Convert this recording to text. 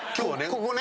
ここね。